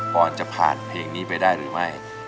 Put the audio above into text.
ออนจะผ่านเพลงนี้ไปได้หรือไม่